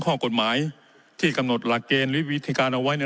ข้อกฎหมายที่กำหนดหลักเกณฑ์หรือวิธีการเอาไว้